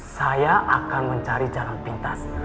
saya akan mencari jalan pintas